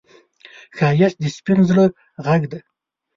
ښایست د سپين زړه غږ دی